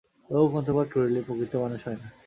বহু গ্রন্থপাঠ করিলেই প্রকৃত মানুষ হয় না।